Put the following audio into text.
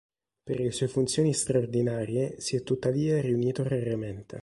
Per le sue funzioni straordinarie si è tuttavia riunito raramente.